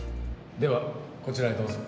ではこちらへどうぞ